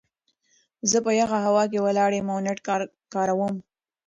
زه په يخه هوا کې ولاړ يم او نيټ کاروم.